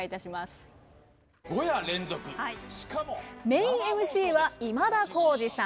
メインＭＣは今田耕司さん。